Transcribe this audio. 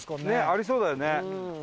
ねえありそうだよね。